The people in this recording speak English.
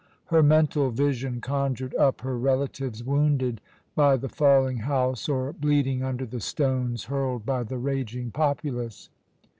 Her mental vision conjured up her relatives wounded by the falling house or bleeding under the stones hurled by the raging populace.